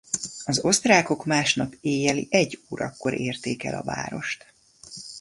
Az osztrákok másnap éjjeli egy órakor érték el a várost.